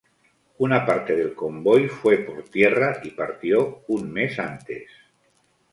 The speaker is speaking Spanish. Una parte del convoy fue por tierra y partió un mes antes.